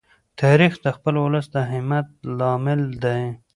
تاریخ د خپل ولس د همت لامل دی.